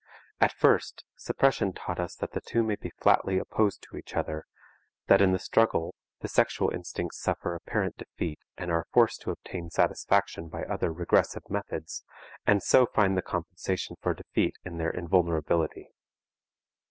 At first, suppression taught us that the two may be flatly opposed to each other, that in the struggle the sexual instincts suffer apparent defeat and are forced to obtain satisfaction by other regressive methods, and so find the compensation for defeat in their invulnerability.